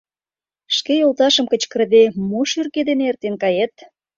Шке йолташым кычкырыде, мо шӱргӧ дене эртен кает.